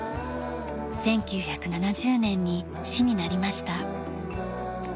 １９７０年に市になりました。